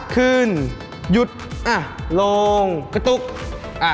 ขึ้นหยุดอ่ะลงกระตุกอ่า